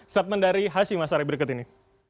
statement dari hashim asari berikut ini